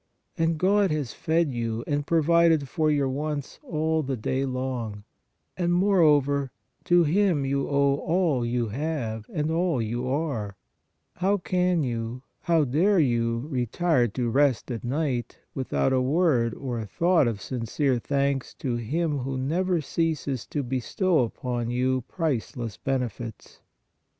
And God has fed you and provided for your wants all the day long, and, moreover, to Him you owe all you have and all you are ; how can you, how dare you retire to rest at night without a word or a thought of sincere thanks to Him who never ceases to bestow upon you priceless benefits!